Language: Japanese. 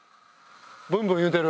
ブンブンいうてる。